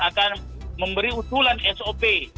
akan memberi usulan sop